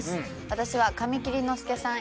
私は神木隆之介さん